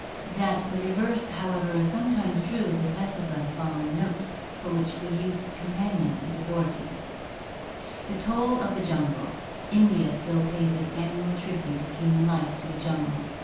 That the reverse, however, is sometimes true is attested by the following note, for which the YouiKs Com portion is authority: "The toll of the Jungle. — India still pays its annual tribute of human life to the jungle.